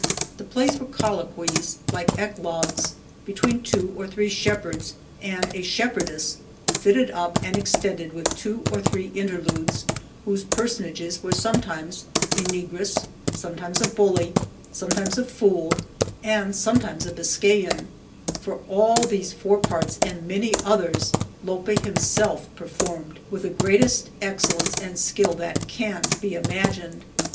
The plays were colloquies^ like eclogues, be tween two or three shepherds and a shep herdess, fitted up and extended with two or three interludes, whose personages were sometimes a negress, sometimes a bully, sometimes a fool, and sometimes a Biscayan ; for all these four parts, and many others. Lope himself performed with the greatest 193 The Morena excellence and skill that can be imagined.